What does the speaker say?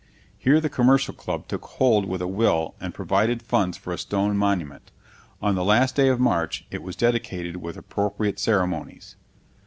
Here the Commercial Club took hold with a will and provided funds for a stone monument. On the last day of March it was dedicated with appropriate ceremonies.